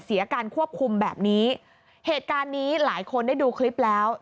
เสียการควบคุมแบบนี้เหตุการณ์นี้หลายคนได้ดูคลิปแล้ว